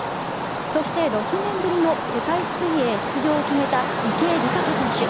そして６年ぶりの世界水泳出場を決めた池江璃花子選手。